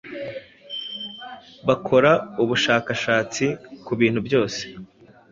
bakora ubushakashatsi ku bintu byose.